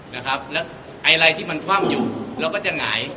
นะครับแล้วไอ้อะไรที่มันคว่ำอยู่เราก็จะหงาย